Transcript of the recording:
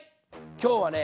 今日はね